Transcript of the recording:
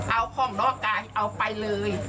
เอาห้องนอกกายเอาไปเลย